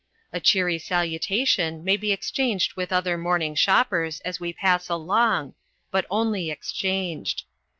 A cheery salutation may be exchanged with other morning shoppers as we pass along, but only exchanged.